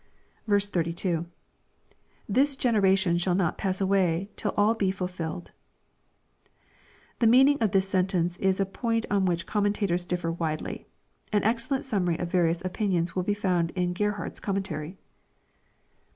B2. — [ITiis generation shaM not pass away tiU aU he fulfilled.] The meaning of this sentence is a point on which commentators diflfer widely. An excellent summary of various opinions will be found in Gerhard's Commentary.